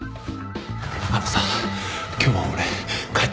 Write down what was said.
あのさ今日は俺帰っても？